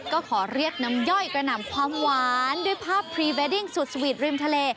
ก็ขอเรียกน้ำย่อยกระหน่ำความหวานด้วยภาพพรีเวดดิ้งสุดสวีทริมทะเล